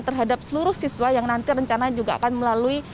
terhadap seluruh siswa yang nanti rencana juga akan melalui